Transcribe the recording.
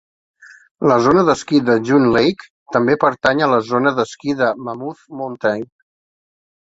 La zona d'esquí de June Lake també pertany a la zona d'esquí de Mammoth Mountain.